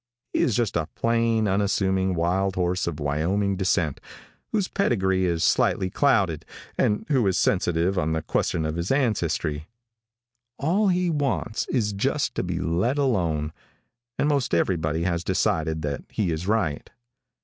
He is just a plain, unassuming wild horse of Wyoming descent, whose pedigree is slightly clouded, and who is sensitive on the question of his ancestry. All he wants is just to be let alone, and most everybody has decided that he is right.